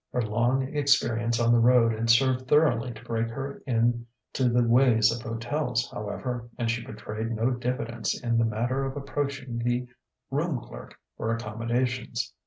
Her long experience on the road had served thoroughly to break her in to the ways of hotels, however, and she betrayed no diffidence in the matter of approaching the room clerk for accommodations.